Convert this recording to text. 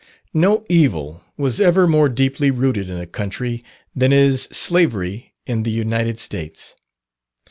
No evil was ever more deeply rooted in a country than is slavery in the United States.